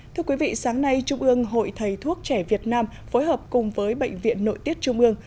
thưa quý vị sáng nay trung ương hội thầy thuốc trẻ việt nam phối hợp cùng với bệnh viện nội tiết trung ương